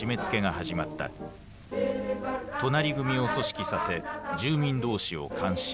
隣組を組織させ住民同士を監視。